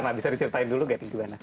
nah bisa diceritain dulu gak nih gimana